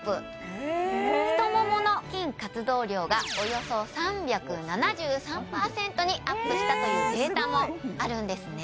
・へえ太ももの筋活動量がおよそ３７３％にアップしたというデータもあるんですね・